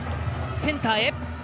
センターへ。